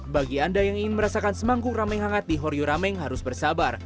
bagi anda yang ingin merasakan semangkuk rame hangat di horyu rameng harus bersabar